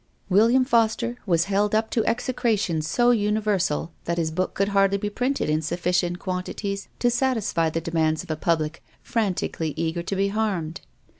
"Wil liam I'oster " was held up to execration so uni versal that his book could hardly be printed in sufficient quantities to satisfy th<: (Kmands of a public frantically eager to be harmed.